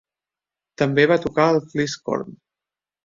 També va tocar el fliscorn.